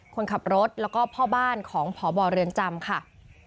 คนขับรถแล้วก็พ่อบ้านของพบเรือนจำค่ะ